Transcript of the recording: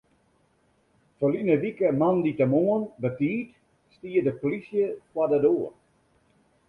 Ferline wike moandeitemoarn betiid stie de polysje foar de doar.